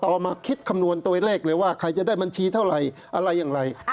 เอามาคิดคำนวณตัวเลขเลยว่าใครจะได้บัญชีเท่าไหร่อะไรอย่างไร